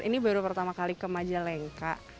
ini baru pertama kali ke majalengka